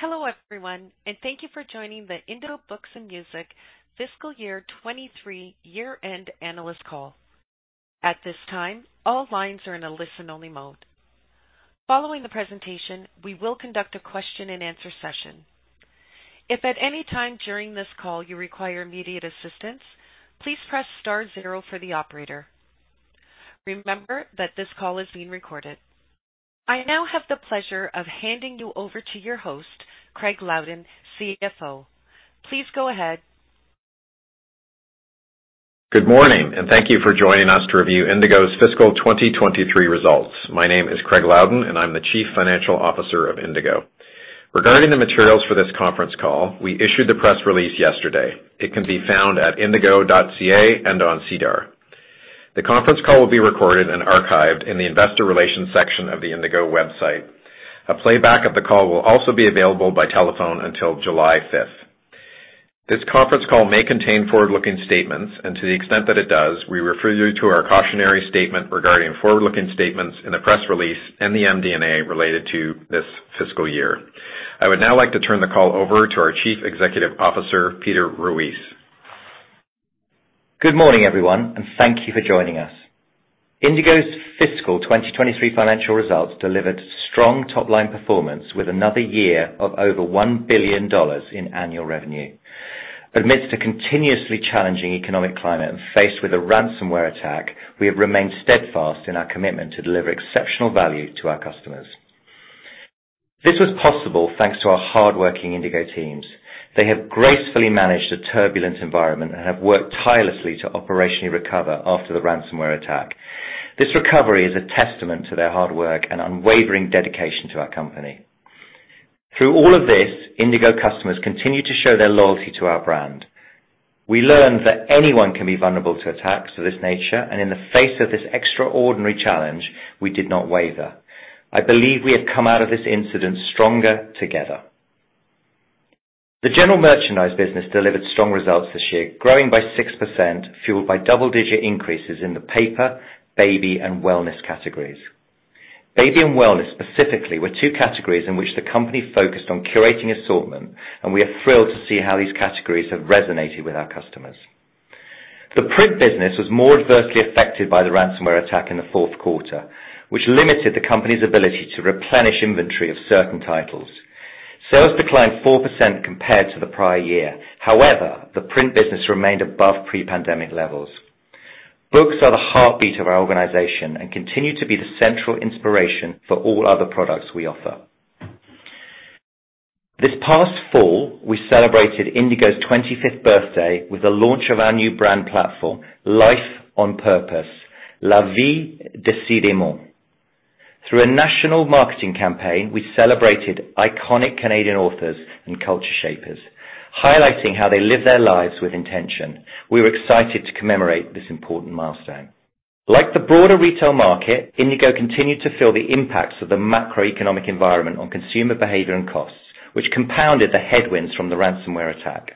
Hello everyone, thank you for joining the Indigo Books & Music fiscal year 2023 year-end analyst call. At this time, all lines are in a listen-only mode. Following the presentation, we will conduct a question-and-answer session. If at any time during this call you require immediate assistance, please press star zero for the operator. Remember that this call is being recorded. I now have the pleasure of handing you over to your host, Craig Loudon, CFO. Please go ahead. Good morning. Thank you for joining us to review Indigo's fiscal 2023 results. My name is Craig Loudon, and I'm the Chief Financial Officer of Indigo. Regarding the materials for this conference call, we issued the press release yesterday. It can be found at indigo.ca and on SEDAR. The conference call will be recorded and archived in the investor relations section of the Indigo website. A playback of the call will also be available by telephone until July fifth. This conference call may contain forward-looking statements, and to the extent that it does, we refer you to our cautionary statement regarding forward-looking statements in the press release and the MD&A related to this fiscal year. I would now like to turn the call over to our Chief Executive Officer, Peter Ruis. Good morning, everyone, and thank you for joining us. Indigo's fiscal 2023 financial results delivered strong top-line performance with another year of over CAD 1 billion in annual revenue. Amidst a continuously challenging economic climate and faced with a ransomware attack, we have remained steadfast in our commitment to deliver exceptional value to our customers. This was possible thanks to our hardworking Indigo teams. They have gracefully managed a turbulent environment and have worked tirelessly to operationally recover after the ransomware attack. This recovery is a testament to their hard work and unwavering dedication to our company. Through all of this, Indigo customers continued to show their loyalty to our brand. We learned that anyone can be vulnerable to attacks of this nature, and in the face of this extraordinary challenge, we did not waver. I believe we have come out of this incident stronger together. The general merchandise business delivered strong results this year, growing by 6%, fueled by double-digit increases in the paper, baby, and wellness categories. Baby and wellness specifically were two categories in which the company focused on curating assortment, and we are thrilled to see how these categories have resonated with our customers. The print business was more adversely affected by the ransomware attack in the fourth quarter, which limited the company's ability to replenish inventory of certain titles. Sales declined 4% compared to the prior year. However, the print business remained above pre-pandemic levels. Books are the heartbeat of our organization and continue to be the central inspiration for all other products we offer. This past fall, we celebrated Indigo's 25th birthday with the launch of our new brand platform, Life on Purpose: La vie décidément. Through a national marketing campaign, we celebrated iconic Canadian authors and culture shapers, highlighting how they live their lives with intention. We were excited to commemorate this important milestone. Like the broader retail market, Indigo continued to feel the impacts of the macroeconomic environment on consumer behavior and costs, which compounded the headwinds from the ransomware attack.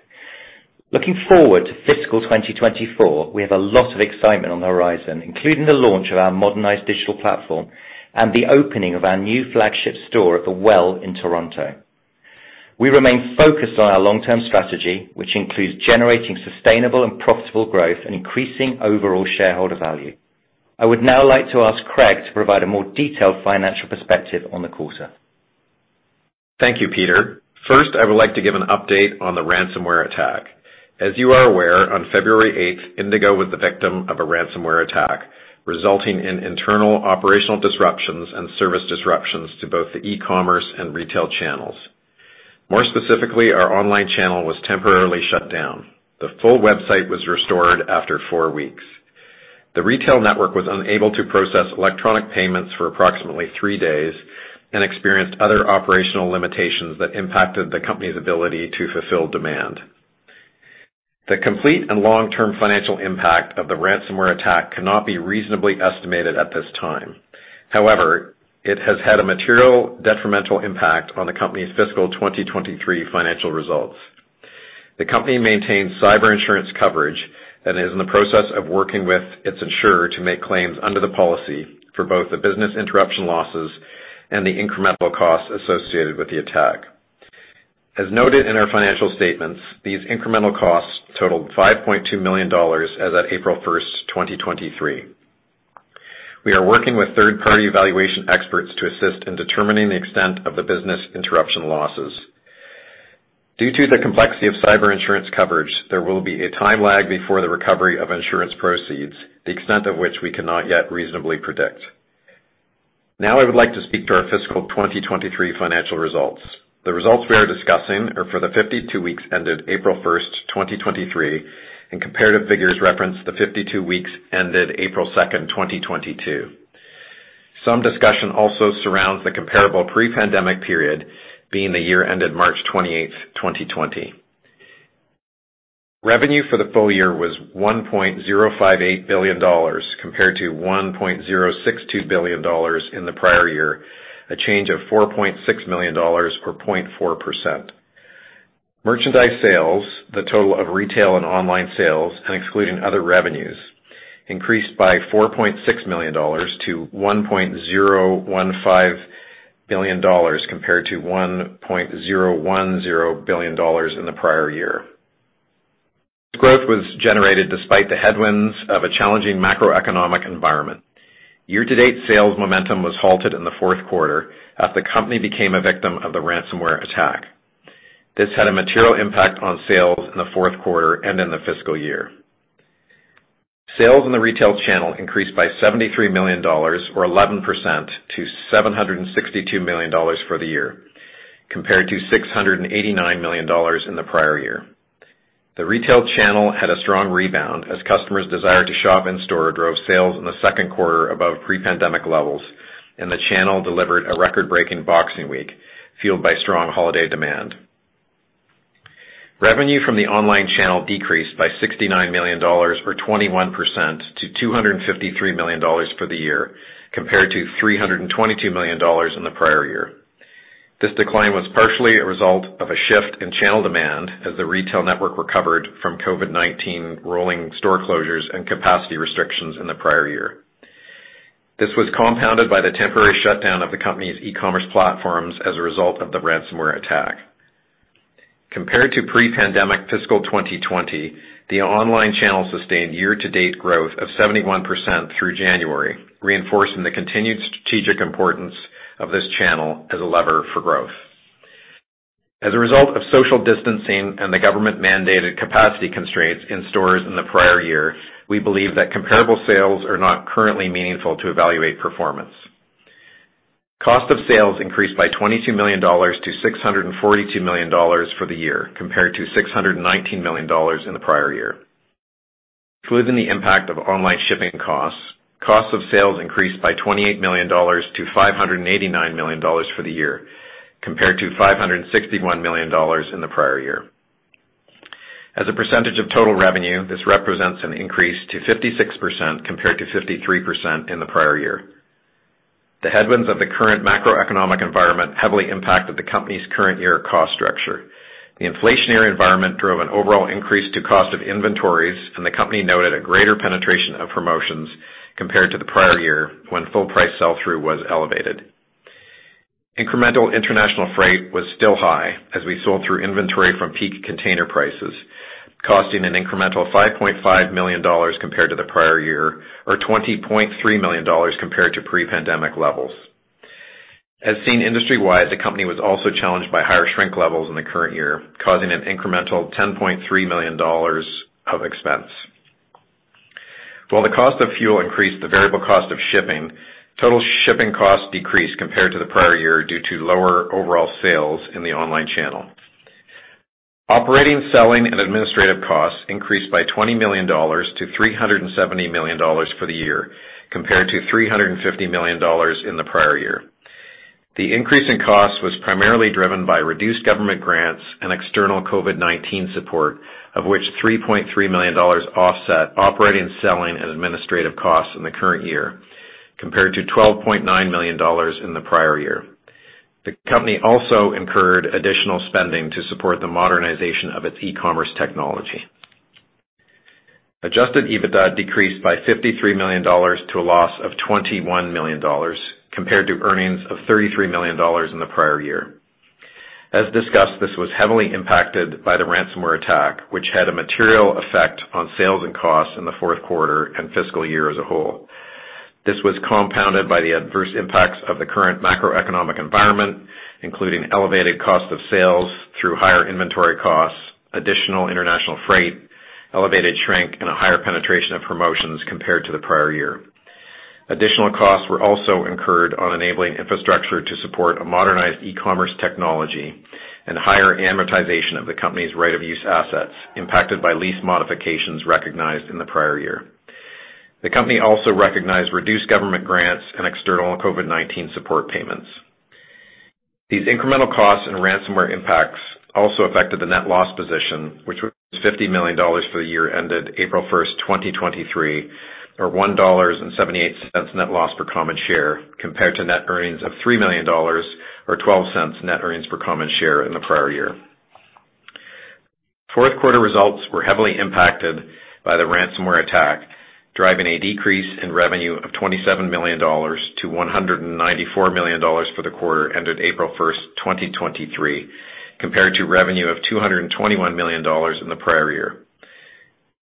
Looking forward to fiscal 2024, we have a lot of excitement on the horizon, including the launch of our modernized digital platform and the opening of our new flagship store at The Well in Toronto. We remain focused on our long-term strategy, which includes generating sustainable and profitable growth and increasing overall shareholder value. I would now like to ask Craig to provide a more detailed financial perspective on the quarter. Thank you, Peter. First, I would like to give an update on the ransomware attack. As you are aware, on February eighth, Indigo was the victim of a ransomware attack, resulting in internal operational disruptions and service disruptions to both the e-commerce and retail channels. More specifically, our online channel was temporarily shut down. The full website was restored after four weeks. The retail network was unable to process electronic payments for approximately three days and experienced other operational limitations that impacted the company's ability to fulfill demand. The complete and long-term financial impact of the ransomware attack cannot be reasonably estimated at this time. However, it has had a material detrimental impact on the company's fiscal 2023 financial results. The company maintains cyber insurance coverage and is in the process of working with its insurer to make claims under the policy for both the business interruption losses and the incremental costs associated with the attack. As noted in our financial statements, these incremental costs totaled 5.2 million dollars as at April 1, 2023. We are working with third-party evaluation experts to assist in determining the extent of the business interruption losses. Due to the complexity of cyber insurance coverage, there will be a time lag before the recovery of insurance proceeds, the extent of which we cannot yet reasonably predict. Now, I would like to speak to our fiscal 2023 financial results. The results we are discussing are for the 52 weeks ended April 1, 2023, and comparative figures reference the 52 weeks ended April 2, 2022. Some discussion also surrounds the comparable pre-pandemic period being the year ended March 28, 2020. Revenue for the full year was 1.058 billion dollars, compared to 1.062 billion dollars in the prior year, a change of 4.6 million dollars or 0.4%. Merchandise sales, the total of retail and online sales, and excluding other revenues, increased by 4.6 million dollars to 1.015 billion dollars, compared to 1.010 billion dollars in the prior year. Growth was generated despite the headwinds of a challenging macroeconomic environment. Year-to-date sales momentum was halted in the fourth quarter as the company became a victim of the ransomware attack. This had a material impact on sales in the fourth quarter and in the fiscal year. Sales in the retail channel increased by CAD 73 million, or 11% to CAD 762 million for the year, compared to CAD 689 million in the prior year. The retail channel had a strong rebound as customers desired to shop in-store, drove sales in the second quarter above pre-pandemic levels, and the channel delivered a record-breaking Boxing Week, fueled by strong holiday demand. Revenue from the online channel decreased by 69 million dollars, or 21% to 253 million dollars for the year, compared to 322 million dollars in the prior year. This decline was partially a result of a shift in channel demand as the retail network recovered from COVID-19 rolling store closures and capacity restrictions in the prior year. This was compounded by the temporary shutdown of the company's e-commerce platforms as a result of the ransomware attack. Compared to pre-pandemic fiscal 2020, the online channel sustained year-to-date growth of 71% through January, reinforcing the continued strategic importance of this channel as a lever for growth. As a result of social distancing and the government-mandated capacity constraints in stores in the prior year, we believe that comparable sales are not currently meaningful to evaluate performance. Cost of sales increased by 22 million dollars to 642 million dollars for the year, compared to 619 million dollars in the prior year. Including the impact of online shipping costs, cost of sales increased by 28 million dollars to 589 million dollars for the year, compared to 561 million dollars in the prior year. As a percentage of total revenue, this represents an increase to 56%, compared to 53% in the prior year. The headwinds of the current macroeconomic environment heavily impacted the company's current year cost structure. The inflationary environment drove an overall increase to cost of inventories, and the company noted a greater penetration of promotions compared to the prior year, when full price sell-through was elevated. Incremental international freight was still high as we sold through inventory from peak container prices, costing an incremental 5.5 million dollars compared to the prior year, or 20.3 million dollars compared to pre-pandemic levels. As seen industry-wide, the company was also challenged by higher shrink levels in the current year, causing an incremental 10.3 million dollars of expense. While the cost of fuel increased the variable cost of shipping, total shipping costs decreased compared to the prior year due to lower overall sales in the online channel. Operating, selling and administrative costs increased by 20 million dollars to 370 million dollars for the year, compared to 350 million dollars in the prior year. The increase in costs was primarily driven by reduced government grants and external COVID-19 support, of which CAD 3.3 million offset operating, selling and administrative costs in the current year, compared to 12.9 million dollars in the prior year. The company also incurred additional spending to support the modernization of its e-commerce technology. Adjusted EBITDA decreased by 53 million dollars to a loss of 21 million dollars, compared to earnings of 33 million dollars in the prior year. As discussed, this was heavily impacted by the ransomware attack, which had a material effect on sales and costs in the fourth quarter and fiscal year as a whole. This was compounded by the adverse impacts of the current macroeconomic environment, including elevated cost of sales through higher inventory costs, additional international freight, elevated shrink, and a higher penetration of promotions compared to the prior year. Additional costs were also incurred on enabling infrastructure to support a modernized e-commerce technology and higher amortization of the company's right-of-use assets, impacted by lease modifications recognized in the prior year. The company also recognized reduced government grants and external COVID-19 support payments. These incremental costs and ransomware impacts also affected the net loss position, which was 50 million dollars for the year ended April 1, 2023, or 1.78 dollars net loss per common share, compared to net earnings of 3 million dollars, or 0.12 net earnings per common share in the prior year. Fourth quarter results were heavily impacted by the ransomware attack, driving a decrease in revenue of 27 million dollars to 194 million dollars for the quarter ended April 1, 2023, compared to revenue of 221 million dollars in the prior year.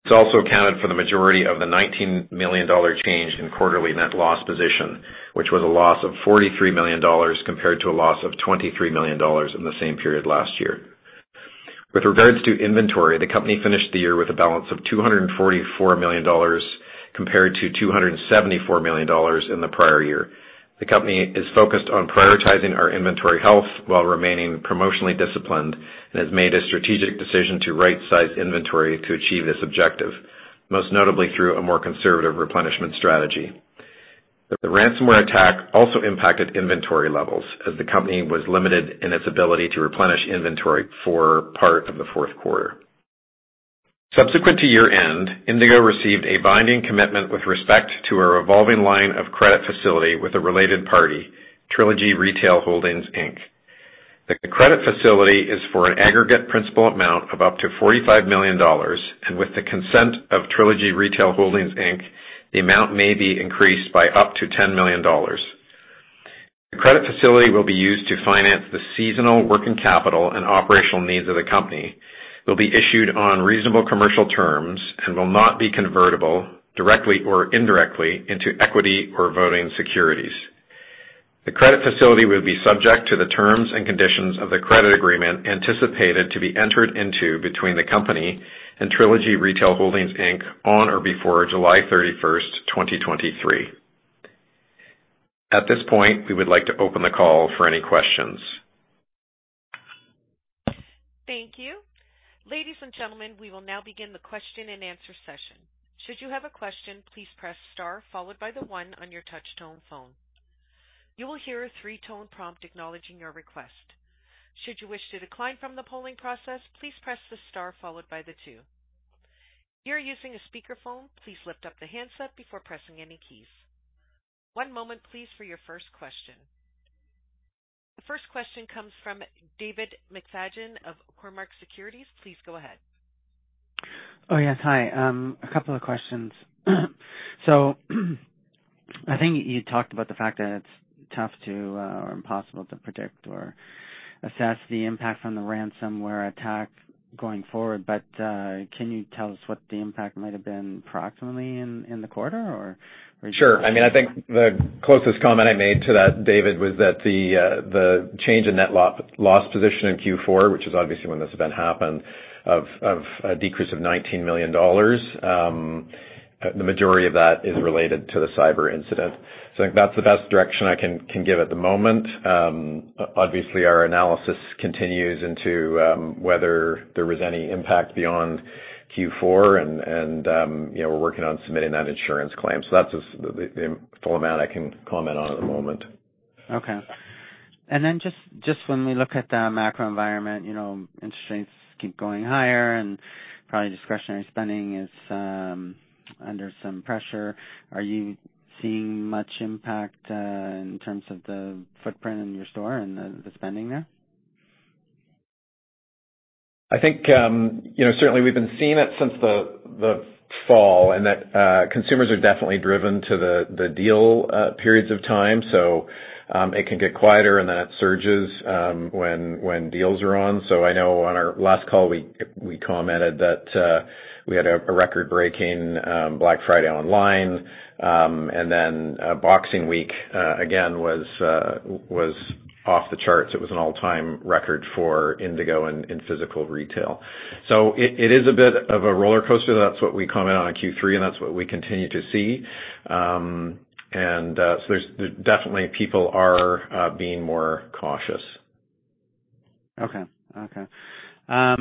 This also accounted for the majority of the 19 million dollar change in quarterly net loss position, which was a loss of 43 million dollars, compared to a loss of 23 million dollars in the same period last year. With regards to inventory, the company finished the year with a balance of 244 million dollars, compared to 274 million dollars in the prior year. The company is focused on prioritizing our inventory health while remaining promotionally disciplined and has made a strategic decision to right-size inventory to achieve this objective, most notably through a more conservative replenishment strategy. The ransomware attack also impacted inventory levels as the company was limited in its ability to replenish inventory for part of the fourth quarter. Subsequent to year-end, Indigo received a binding commitment with respect to a revolving line of credit facility with a related party, Trilogy Retail Holdings, Inc. The credit facility is for an aggregate principal amount of up to 45 million dollars, and with the consent of Trilogy Retail Holdings, Inc, the amount may be increased by up to 10 million dollars. The credit facility will be used to finance the seasonal working capital and operational needs of the company, will be issued on reasonable commercial terms, and will not be convertible directly or indirectly into equity or voting securities. The credit facility will be subject to the terms and conditions of the credit agreement, anticipated to be entered into between the company and Trilogy Retail Holdings Inc. on or before July 31, 2023. At this point, we would like to open the call for any questions. Thank you. Ladies and gentlemen, we will now begin the question and answer session. Should you have a question, please press star followed by the one on your touch-tone phone. You will hear a 3-tone prompt acknowledging your request. Should you wish to decline from the polling process, please press the star followed by the two. If you're using a speakerphone, please lift up the handset before pressing any keys. One moment, please, for your first question. The first question comes from David McFadgen of Cormark Securities. Please go ahead. Oh, yes. Hi. A couple of questions. I think you talked about the fact that it's tough to, or impossible to predict or assess the impact on the ransomware attack going forward. Can you tell us what the impact might have been proximally in the quarter, or? Sure. I mean, I think the closest comment I made to that, David, was that the change in net loss position in Q4, which is obviously when this event happened, a decrease of 19 million dollars, the majority of that is related to the cyber incident. I think that's the best direction I can give at the moment. Obviously, our analysis continues into whether there was any impact beyond Q4 and, you know, we're working on submitting that insurance claim. That's the full amount I can comment on at the moment. Okay. Just when we look at the macro environment, you know, interest rates keep going higher and probably discretionary spending is under some pressure. Are you seeing much impact in terms of the footprint in your store and the spending there? I think, you know, certainly we've been seeing it since the fall, and that consumers are definitely driven to the deal periods of time. It can get quieter and then it surges when deals are on. I know on our last call, we commented that we had a record-breaking Black Friday online. Then Boxing Week again, was off the charts. It was an all-time record for Indigo in physical retail. It is a bit of a rollercoaster. That's what we comment on in Q3, and that's what we continue to see. There's definitely people are being more cautious. Okay. Okay. I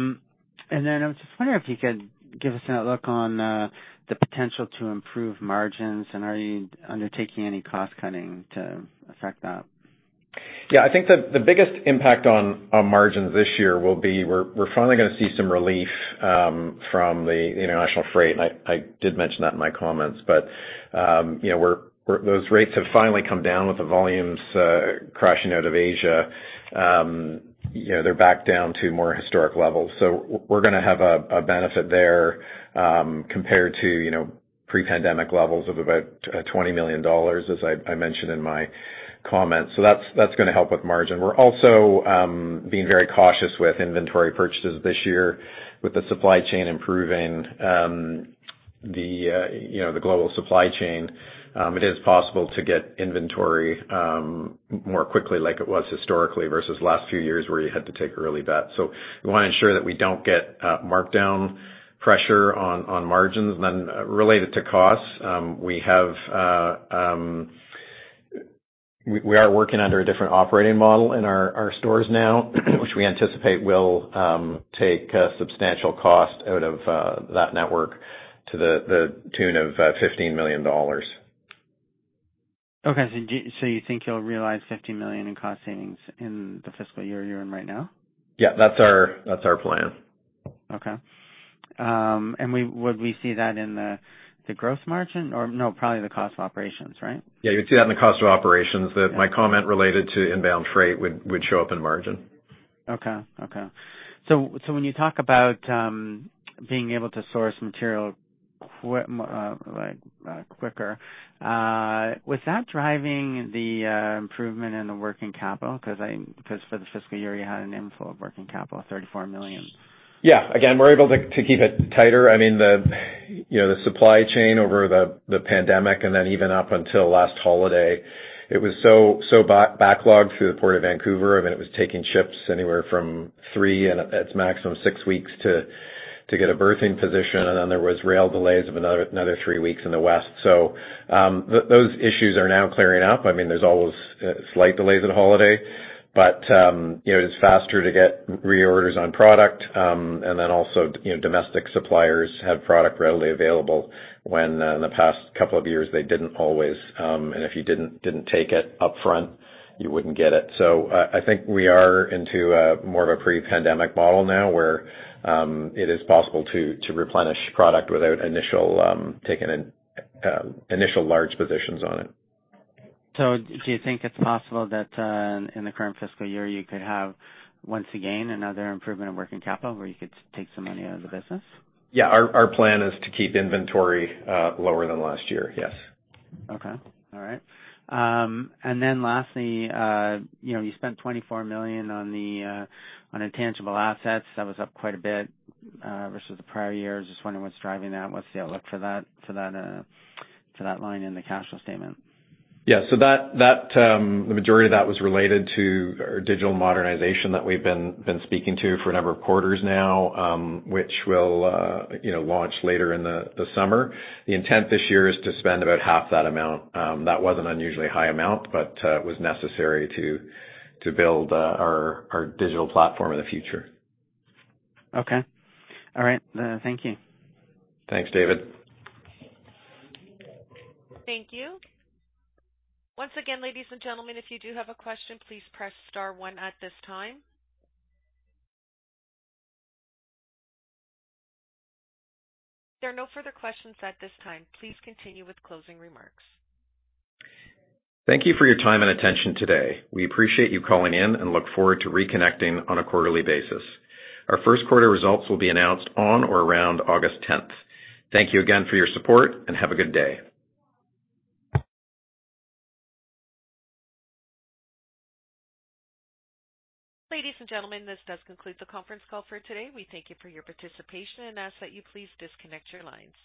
was just wondering if you could give us an outlook on the potential to improve margins, and are you undertaking any cost cutting to affect that? Yeah, I think that the biggest impact on margins this year will be we're finally gonna see some relief from the international freight, and I did mention that in my comments. You know, those rates have finally come down with the volumes crashing out of Asia. You know, they're back down to more historic levels, we're gonna have a benefit there compared to, you know, pre-pandemic levels of about 20 million dollars, as I mentioned in my comments. That's gonna help with margin. We're also being very cautious with inventory purchases this year, with the supply chain improving, the, you know, the global supply chain. It is possible to get inventory more quickly, like it was historically, versus last few years, where you had to take early bets. We wanna ensure that we don't get markdown pressure on margins. Related to costs, we are working under a different operating model in our stores now, which we anticipate will take a substantial cost out of that network to the tune of 15 million dollars. Okay, you think you'll realize 50 million in cost savings in the fiscal year you're in right now? Yeah, that's our plan. Okay. Would we see that in the gross margin? Or no, probably the cost of operations, right? Yeah, you'd see that in the cost of operations. Yeah. My comment related to inbound freight would show up in margin. Okay. Okay. When you talk about, being able to source material like quicker, was that driving the improvement in the working capital? Because for the fiscal year, you had an inflow of working capital, 34 million. Again, we're able to keep it tighter. I mean, you know, the supply chain over the pandemic and then even up until last holiday, it was so backlogged through the Port of Vancouver. I mean, it was taking ships anywhere from 3 and at maximum 6 weeks to get a berthing position. There was rail delays of another 3 weeks in the west. Those issues are now clearing up. I mean, there's always slight delays at holiday, but, you know, it's faster to get reorders on product. Also, you know, domestic suppliers have product readily available, when in the past couple of years they didn't always, and if you didn't take it upfront, you wouldn't get it. I think we are into a more of a pre-pandemic model now, where, it is possible to replenish product without initial large positions on it. Do you think it's possible that, in the current fiscal year, you could have once again another improvement in working capital where you could take some money out of the business? Yeah. Our plan is to keep inventory lower than last year. Yes. Okay. All right. Lastly, you know, you spent 24 million on the intangible assets. That was up quite a bit versus the prior year. Just wondering what's driving that. What's the outlook for that, to that line in the cash flow statement? Yeah. That, the majority of that was related to our digital modernization that we've been speaking to for a number of quarters now, which will, you know, launch later in the summer. The intent this year is to spend about half that amount. That was an unusually high amount, but it was necessary to build our digital platform of the future. Okay. All right, thank you. Thanks, David. Thank you. Once again, ladies and gentlemen, if you do have a question, please press star one at this time. There are no further questions at this time. Please continue with closing remarks. Thank you for your time and attention today. We appreciate you calling in and look forward to reconnecting on a quarterly basis. Our first quarter results will be announced on or around August tenth. Thank you again for your support, and have a good day. Ladies and gentlemen, this does conclude the conference call for today. We thank you for your participation and ask that you please disconnect your lines.